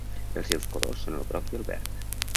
Els seus colors són el groc i el verd.